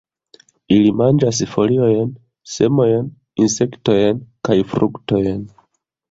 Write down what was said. Ili manĝas foliojn, semojn, insektojn kaj fruktojn.